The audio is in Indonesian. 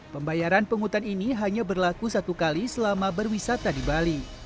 pembayaran penghutan ini hanya berlaku satu kali selama berwisata di bali